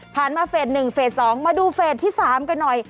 มาเฟส๑เฟส๒มาดูเฟสที่๓กันหน่อย